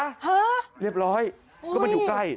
ฮะเรียบร้อยก็มันอยู่ใกล้